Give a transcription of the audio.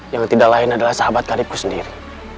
yang tidak lain adalah sahabat karibku sendiri